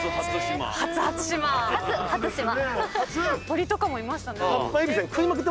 鳥とかもいましたね。